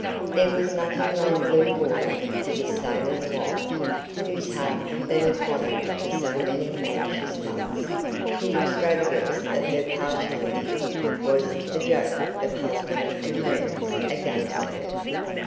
There was nothing like blue water to this sailor's wife, whose heart had been upon it for so many anxious months; the extravagance of her partiality was the joke of husband and friends against her.